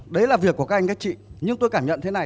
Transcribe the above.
đấy là việc của các anh các chị nhưng tôi cảm nhận thế này